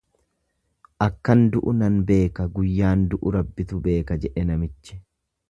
Akkan du'u nan beeka guyyaan du'u Rabbitu beeka jedhe namichi.